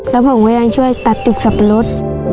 แล้วผมก็ยังช่วยตัดตึกสับปะรด